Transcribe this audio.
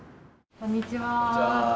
こんにちは。